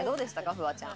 フワちゃん。